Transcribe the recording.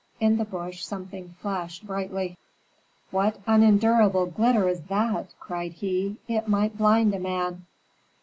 In the bush something flashed brightly. "What unendurable glitter is that?" cried he. "It might blind a man."